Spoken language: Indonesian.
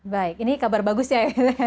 baik ini kabar bagus ya